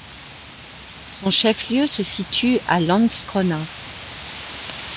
Son chef-lieu se situe à Landskrona.